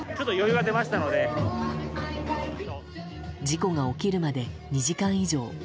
事故が起きるまで２時間以上。